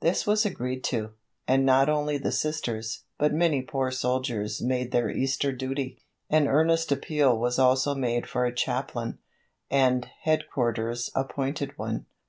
This was agreed to, and not only the Sisters, but many poor soldiers made their Easter duty. An earnest appeal was also made for a chaplain, and "headquarters" appointed one.